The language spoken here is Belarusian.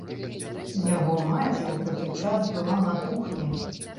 Яго маці ў гэты час была на кухні.